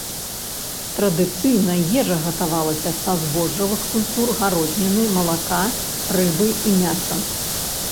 Традыцыйная ежа гатавалася са збожжавых культур, гародніны, малака, рыбы і мяса.